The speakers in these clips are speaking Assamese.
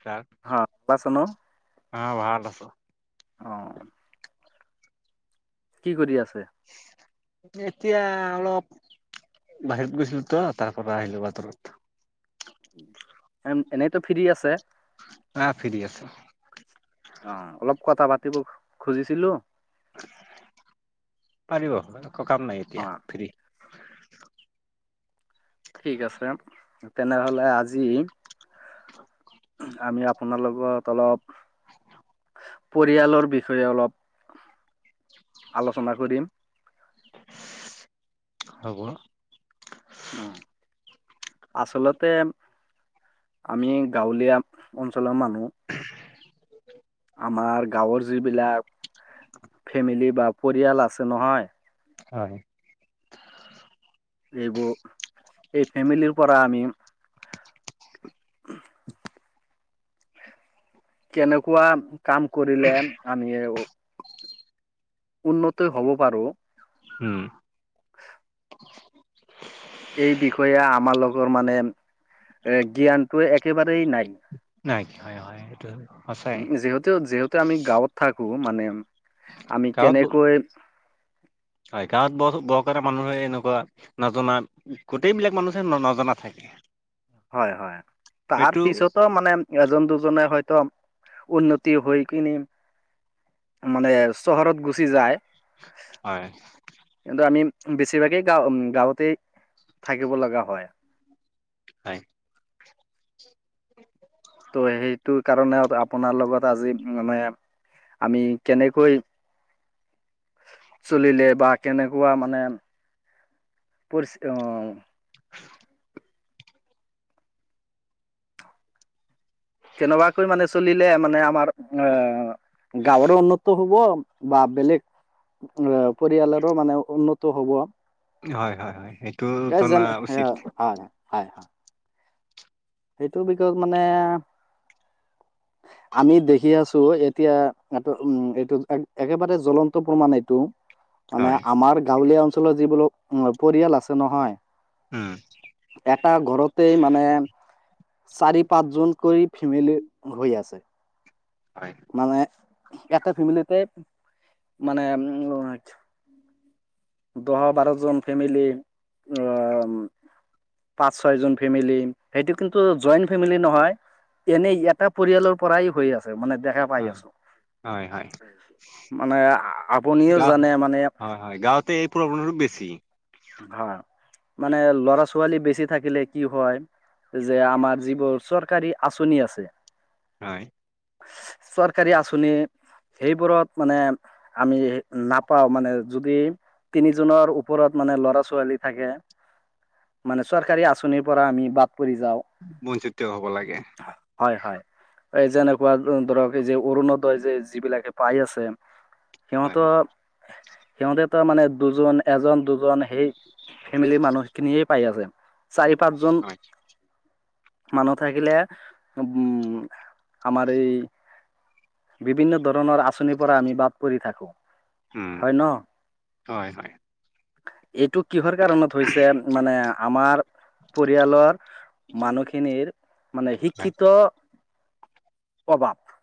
চও হা পাইছা অ ভাল আছ অ কি কৰি আছে এতিয়া অলপ বাহিৰত গৈছিলো তো তাৰ পৰা আহিলো বতৰত এনেইতো ফ্ৰী আছে আহ ফ্ৰী আছো। অ অলপ কথা পাত পাতিব খুজিছিলো পাৰিব একো কাম নাই এতিয়া অঁ ফ্ৰী ঠিক আছে তেনেহলে আজি আমি আপোনাৰ লগত অলপ পৰিয়ালৰ বিষয়ে অলপ আলোচনা কৰিম হ'ব উম আচলতে আমি গাঁৱলীয়া অঞ্চলৰ মানুহ আমাৰ গাঁৱৰ যিবিলাক ফেমিলি বা পৰিয়াল আছে নহয় হয় এইবোৰ এই ফেমিলিৰ পৰা আমি [unintelligible] কেনেকুৱা কাম কৰিলে আমি উন্নতই হব পাৰো উম এই বিষয়ে আমাৰ লগৰ মানে এ জ্ঞানটো একেবাৰেই নাই নাই হয় হয় এইটো সঁচাই উ যিহেতু যিহেতু আমি গাঁৱত থাকো মানে আমি গাঁৱত কেনেকৈ হয় গাঁৱত ব বৰকাৰ মানুহে এনেকুৱা নজনা গোটেইবিলাক মানুহে ন নজনা থাকে হয় হয় তাৰ সেইটো পিছতো মানে এজন দুজনে হয় একদম উন্নতি হৈ কিনি মানে চহৰত গুচি যায় হয় কিন্তু আমি বেছিভাগেই গাও উ গাঁৱতে থাকিব লগা হয় হয় ত' সেইটো কাৰণেও আপোনাৰ লগত আজি মানে আমি কেনেকৈ চলিলে বা কেনেকুৱা মানে পৰি আহ [unintelligible] [unintelligible] কেনেবাকৈ মানে চলিলে মানে আমাৰ আহ গাঁৱৰো উন্নত হব বা বেলেগ। পৰিয়ালৰো মানে উন্নত হ'ব। হয় হয় হয় সেইটো গ জনা জ উচিত [unintelligible] সেইটো বিষয়ত মানে আমি দেখি আছো এতিয়া এইটো উ এইটো একেবাৰে জ্বলন্ত প্ৰমাণ এইটো মানে, হয় আমাৰ গাঁৱলীয়া অঞ্চলৰ যিবিলাক পৰিয়াল আছে নহয় উম এটা ঘৰতেই মানে চাৰি পাঁচজনকৈ ফেমিলি হৈ আছে। হয় মানে, এটা ফেমিলিতে মানে, উম অঁ দহ বাৰজন ফেমিলি আঁ পাঁচ ছয়জন ফেমিলি, সেইতোটো জইণ্ট ফেমিলি নহয়। এনেই এটা পৰিয়ালৰ পৰাই হৈ আছে। মানে, দেখা পাই হয় আছো। হ'য়, হ'য় মানে আপুনিও গাঁ- জানে মানে হ'য় হ'য় গাঁৱতে এই প্ৰব্লেমটো বে ছি। হ'য়, মানে ল'ৰা -ছোৱালী বেছ্‌ ছি থাকিলে কি হ'য় যে আমাৰ যিবোৰ চৰকাৰী আঁচনি আছে হ'য় চৰকাৰী আচঁনিৰ সেইবোৰত মানে, আমি নাপাওঁ মানে, যদি তিনিজনৰ ওপৰত মানে ল'ৰা- ছোৱালী থাকে। মানে, চৰকাৰী আঁচনিৰ পৰা আমি বাদ পৰি যাওঁ। বঞ্চিত হ'ব লাগে হ'য়, হ'য়। এই যেনেকুৱা যো--ধৰক, এই যে অৰুণোদয় যে যিবিলাকে পাই আছে, হয় সিহঁতৰ সিহঁতেটো, মানে দুজন, এজন- দুজন সেই ফেমিলি মানুহখিনিয়ে পাই আছে। চাৰি-পাঁচজন হয় মানুহ থাকিলে, উম, আমাৰ এই বিভিন্ন ধৰণৰ আঁচনিৰ পৰা আমি বাদ পৰি থাকো। উম হ'য় ন? হ'য়, হ'য়। এইটো কিহৰ কাৰণত হৈছে? মানে আমাৰ পৰিয়ালৰ মানুখিনিৰ, মানে শিক্ষিত অ, বাপ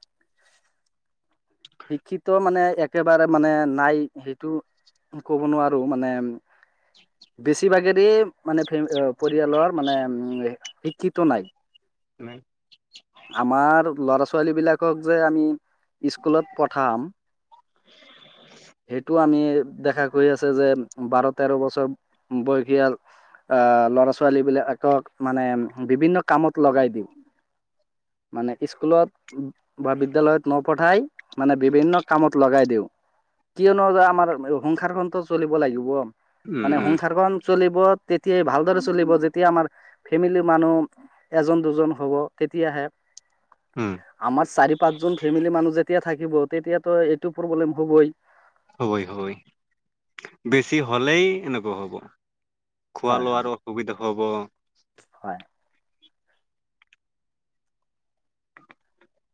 শিক্ষিত মানে, একেবাৰে মানে নাই। সেইটো ক'ব নোৱাৰো, মানে বেছিভাগেৰে মানে, ফেমি পৰিয়ালৰ মানে শিক্ষিত নাই। নাই। আমাৰ ল'ৰা -ছোৱালী বিলাক শিক্ষক যে আমি স্কুলত পঠাম। ওঁহ সেইটো আমি, দেখা গৈ আছে যে বাৰ -তেৰ বছৰ বয়সীয়াল, আ ল'ৰা -ছোৱালী বিলাকক মানে বিভিন্ন কামত লগাই দিওঁ। মানে স্কুলত বা বিদ্যালয়ত নপঠাই। মানে বিভিন্ন কামত লগাই দিওঁ। কিয়নো যে আমাৰ সংসাৰখনটো চলিব লাগিব। মানে উম সংসাৰখন চলিব, তেতিয়াই ভালদৰে চলিব যেতিয়া আমাৰ ফেমিলি মানুহ, এজন -দুজন হ'ব তেতিয়াহে উম আমাৰ চাৰি -পাঁচজন ফেমিলি মানুহ যেতিয়া থাকিব। তেতিয়া ত, এইটো প্ৰব্লেম হ'বই। হ'বই, হ'বই বেছি হ'লেই এনেকুৱা হ'ব। খোৱা- হয় হয় লোৱাৰো অসুবিধা হ'ব। হয়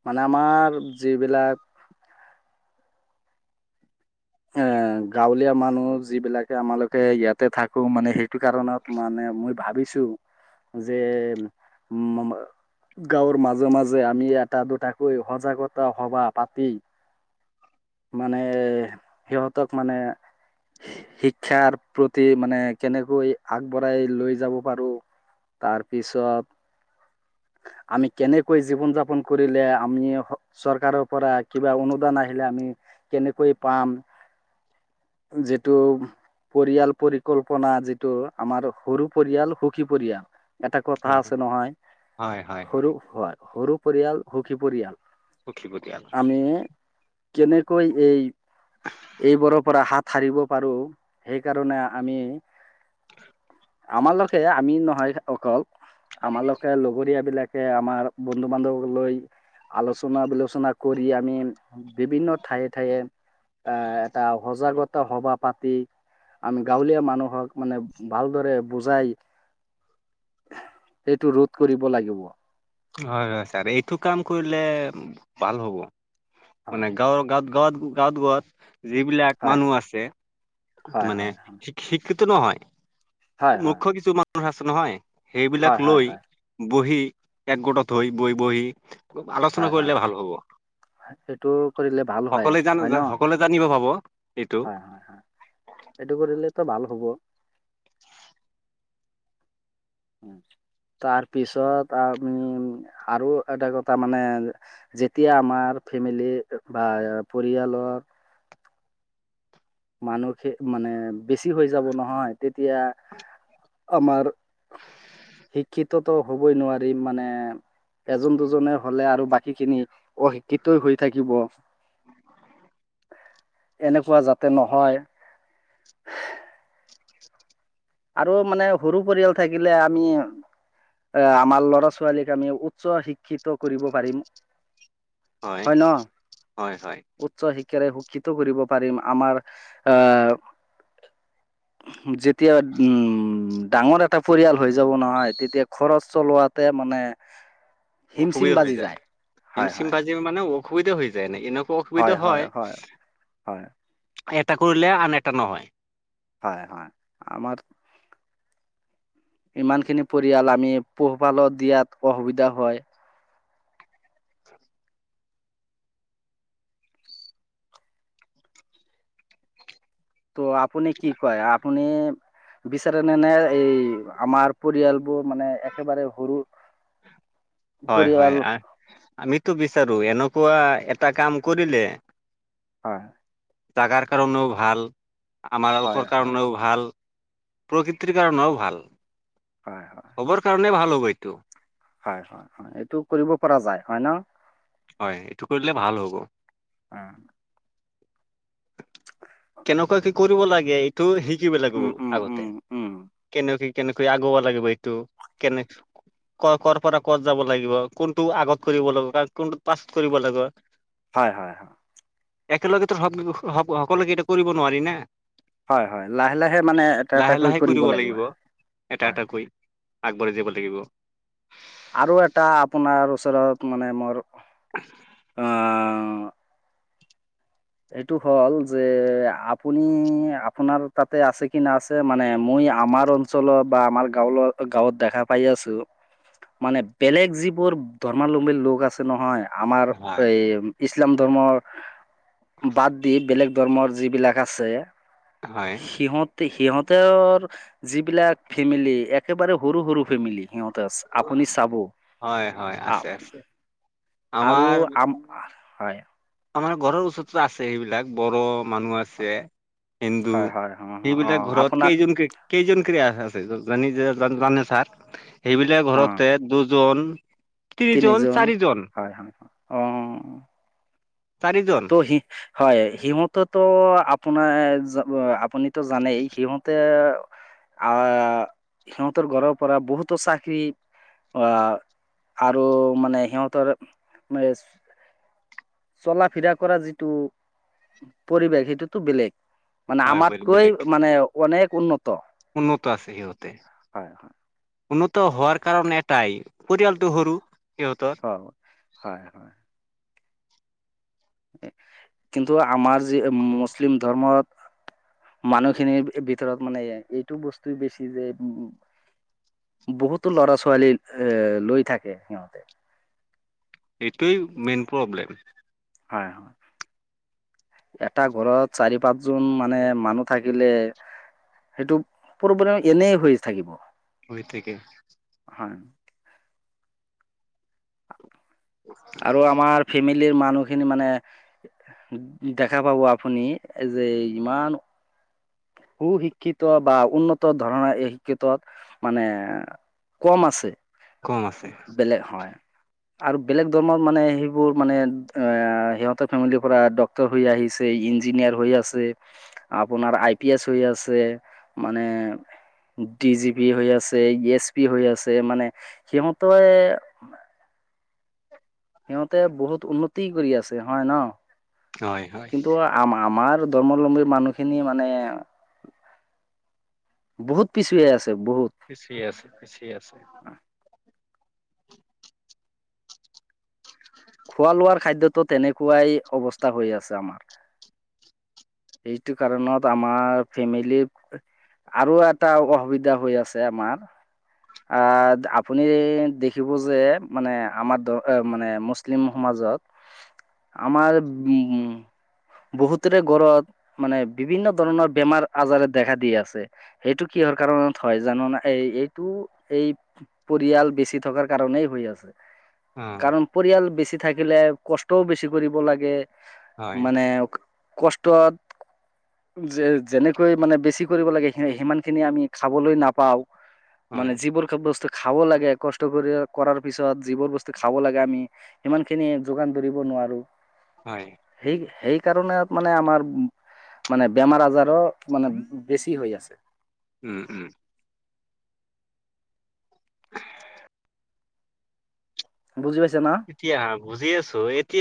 মানে আমাৰ, যিবিলাক এ, গাঁৱত। দুখীয়া মানুহ যি বিলাকে, আমালোকে ইয়াতে থাকো, মানে সেইটো কাৰণত মানে মই ভাৱিছো যে ম মমাা গাঁৱৰ মাজে -মাজে আমি ইয়াত এটা দুটাকৈ সজাগতা সবা পাতি, মানে সিহঁতক মানে শিক্ষাৰ প্ৰতি মানে কেনেকৈ আগবঢ়াই লৈ যাব পাৰো? তাৰপিছত আমি কেনেকৈ জীৱন যাপন কৰিলে, আমি চৰকাৰৰ পৰা কিবা অনুদান আহিলে আমি কেনেকৈ পাম? যিটো পৰিয়াল পৰিকল্পনা যিটো আমাৰ সৰু পৰিয়াল সুখী পৰিয়াল এটা কথা হয় আছে নহয়, হয় হয় সৰু হয় সৰু পৰিয়াল সুখী পৰিয়াল। সখি পৰিয়াল। আমি কেনেকৈ এই এইবোৰৰ পৰা হাত সাৰিব পাৰো। সেইকাৰণে আমি আমাৰ লকে আমি নহয় অকল। আমালোকে লগৰীয় বিলাকে আমাৰ বন্ধু বান্ধৱ লৈ আলোচনা বিলোচনা কৰি আমি বিভিন্ন ঠায়ে ঠায়ে আহ এটা সজাগতা সবা পাতি আমি গাঁৱলীয়া মানুহক মানে ভালদৰে বুজাই এইটো ৰোধ কৰিব লাগিব। হয় হয় ছাৰ এইটো কাম কৰিলে ভাল হ'ব। হয় মানে গাঁৱ গাঁত গাঁৱত গাঁৱত গাঁৱত। যিবিলাক হয় মানুহ আছে হয় মানে হয় শ শিক্ষিতো নহয়। হয় হয় মুখ্য কিছু মানুহ আছে নহয় সেইবিলাক হয় লৈ হয় বহি একগোটত থৈ বহ বহি আলোচনা হয় হয় কৰিলে ভাল হ'ব। সেইটো কৰিলে ভাল হয় সকলোৱে জান ন সকলোৱে জানিব পাব। এইটো হয় হয় হয় এইটো কৰিলেতো ভাল হ'ব। উম। তাৰপিছত আমি আৰু এটা কথা মানে যেতিয়া আমাৰ ফেমিলি বা পৰিয়ালৰ মানুহে মানে বেছি হৈ যাব নহয় তেতিয়া আমাৰ শিক্ষিততো হবই নোৱাৰি মানে এজন দুজনে হলে আৰু বাকী খিনি অশিক্ষিত হৈ থাকিব। এনেকুৱা যাতে নহয়। আৰু মানে সৰু পৰিয়াল থাকিলে আমি এ আমাৰ লৰা ছোৱালীক আমি উচ্চ শিক্ষিত কৰিব পাৰিম। হয় ন? হয় হয় উচ্চ শিক্ষাৰে শিক্ষিত কৰিব পাৰিম আমাৰ আহ যেতিয়া উম ডাঙৰ এটা পৰিয়াল হৈ যাব নহয় তেতিয়া খৰচ চলোৱাতে মানে হিমচিম অসুবিধা হৈ বাজি যায়। হিম হয় চিম হয় ভাজিম মানে অসুবিধা হৈ যায় ন এনেকুৱা। অ অসুবিধা হয়। হয় এটা কৰিলে আন এটা নহয়। হয় হয় আমাৰ ইমান খিনি পৰিয়াল আমি পোহপালত দিয়াত অসুবিধা হয়। ত' আপুনি কি কয়? আপুনি বিচাৰে নে নে পৰিয়ালবোৰ মানে একেবাৰে সৰু হয় হয় পৰিয়াল আহ আমিতো বিচাৰো এনেকুৱা এ এটা কাম কৰিলে হয় তাকাৰ কাৰণেও ভাল। হয় আমাৰোকৰ হয় কাৰণেও ভাল, প্ৰকৃতিৰ কাৰণেও ভাল। হয় হয় হবৰ কাৰণে ভাল হ'ব এইটো হয় হয় হয় এইটো কৰিব পৰা যায়! হয় ন? হয় এইটো কৰিলে ভাল হ'ব। কেনেকুৱা কি কৰিব লাগে এই? তোৰ শিকিব লাগিব উম উম আগতে, উম উম কেনেকে কেনেকৈ আগাব লাগিব এইটো কেনেক ক কৰ পৰা ক'ত যাব লাগিব, কোনটো আগত কৰিব লাগিব, কাৰ কোনটো পাছত কৰিব লাগিব। হয় হয় হয়। একেলগেতো সব সকলোকে এটো কৰিব নোৱাৰি। না হয় হয় লাহে লাহে মানে এটা লাহে এটাকৈ লাহে কৰিব লাগিব এটা হয় এটা কৈ- আগবাঢ়ি যাব লাগিব। আৰু এটা আপোনাৰ ওচৰত মানে মোৰ আহ- অ এইটো হ'ল যে আপুনি আপোনাৰ তাতে আছে কি না আছে মানে মই- আমি আমাৰ অঞ্চলত বা আমাৰ গাঁৱৰ গাঁৱত দেখা পাই আছোঁ। মানে বেলেগ যিবোৰ ধৰ্মলম্বীৰ লোক আছে নহয় আমাৰ হয় এই ইছলাম ধৰ্মৰ। বাদ দি বেলেগ ধৰ্মৰ যিবিলাক আছে হয় সিহঁত সিহঁতৰ যিবিলাক ফেমিলি একেবাৰে সৰু, সৰু ফেমিলি সিহঁতে আ আপুনি চাব হয় হয় আছে আহক আছে আৰু আমাৰ আম হয়। আমাৰ ঘৰৰ ওচৰতো আছে সেইবিলাক বৰম- মানুহ আছে হিন্দু হয়, হয়, অ', সেইবিলাক অ', ঘৰত আপোনাৰ কেইজন কেই জান ছাৰ সেইবিলাক অ', ঘৰতে দুজন- তিনি জন তিনিজন চাৰিজন- হয়, হয়, হয়, অ', চাৰিজন ত' সি হয় সিহঁতে তো আপোনাৰ আপুনি জানেই সিহঁতে- আহ সিহঁতৰ ঘৰৰ পৰা বহুতো চাকৰি আহ- আৰু মানে সিহঁতৰ চলা ফিৰা- কৰা যিটো পৰিৱেশ সেইটোতো বেলেগ। মানে হয় বেলেগ আমাতকৈ বেলেগ মানে অনেক উন্নত। উন্নত আছে সিহঁতে- হয়, হয়, উন্নত হোৱাৰ কাৰণে এটাই পৰিয়ালটো সৰু- সিহঁতৰ হয় হয় হয়। কিন্তু আমাৰ যি মুছলিম ধৰ্মত- মানুহখিনিৰ ভিতৰত মানে এইটো বস্তু বেছি যে উম! বহুতো ল'ৰা ছোৱালী এ লৈ থাকে সিহঁতে এইটোই মেইন প্ৰব্লেম। হয় হয় এটা ঘৰত চাৰি পাঁচজন মানে মানুহ থাকিলে সেইটো প্ৰবেম্ল এনেই হৈ থাকিব ই ঠিকেই হয়। আৰু আমাৰ ফেমিলিৰ মানুহ খিনি মানে দেখা পাব আপুনি যে ইমান সু শিক্ষিত বা উন্নত ধৰণৰ এই শিক্ষিতত মানে কম আছে, কম আছে বেলেগ হয়। আৰু বেলেগ ধৰণৰ মানে সেইবোৰ মানে এ সিহঁতে ফেমিলি পৰা ডক্টৰ হৈ আহিছে ইঞ্জিনিয়াৰ হৈ আছে আপোনাৰ পিয়েজ হৈ আছে মানে ডি জি পি হৈ আছে এছ পি হৈ আছে মানে সিহতই সিহঁতে বহুত উন্নতি কৰি আছে হয় ন? হয় হয় কিন্তু আম আমাৰ ধৰ্মলম্বী মানুহখিনি মানে বহুত পিছ হৈ আছে। বহুত পিছি আছে পিছি আছে। খোৱা লোৱাৰ খাদ্যতটো তেনেকুৱাই অৱস্থা হৈ আছে। এইটো কাৰণত আমাৰ ফেমিলি আৰু এটা অসুবিধা হৈ আছে আমাৰ আহ আপুনি দেখিব যে মানে আমাৰ দ মানে। মুছলিম সমাজত আমাৰ বহুতেৰে গৰত মানে বিভিন্ন ধৰণৰ বেমাৰ আজাৰে দেখা দি আছে সেইটো কিহৰ কাৰণত হয় জানো এই এইটো এই পৰিয়াল বেছি থকাৰ কাৰনেই হৈ আছে। অহ। বচি থাকিলে কষ্টও বেছি কৰিব লাগে। হয় মানে কষ্টত যে যেনেকৈ মানে বেছি। কৰিব লাগে স সিমানখিনি আমি। খাবলৈ নাপাও মানে হয় যিবোৰ বস্তু খাব লাগে কষ্ট কৰি কৰাৰ পিছত যিবোৰ বস্তু খাব লাগে আমি সিমান খিনি যোগান ধৰিব নোৱাৰো। হয় সেই সেই। সেইকাৰণে মানে আমাৰ মানে বেমাৰ আজাৰো মানে বেছি হৈ আছে। উম উম। বুজি পাইছা না এতিয়া হা বুজি আছো এতিয়া।